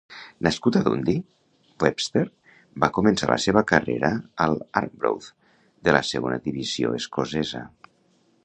Nascut a Dundee, Webster va començar la seva carrera al Arbroath, de la segona divisió escocesa.